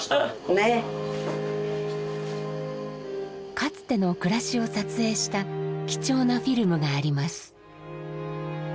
かつての暮らしを撮影した貴重なフィルムがあります。